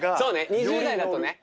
２０代だとね。